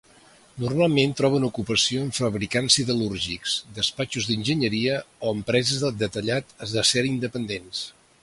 Normalment troben ocupació en fabricants siderúrgics, despatxos d'enginyeria o empreses de detallat d'acer independents.